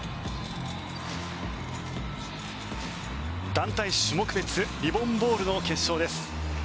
団体種目別リボン・ボールの決勝です。